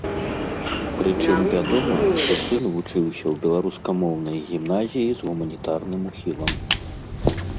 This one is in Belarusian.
Прычым вядома, што сын вучыўся ў беларускамоўнай гімназіі з гуманітарным ухілам.